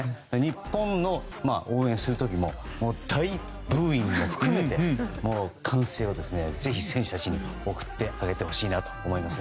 日本を応援する時も大ブーイングも含めて歓声をぜひ選手たちに送ってあげてほしいなと思います。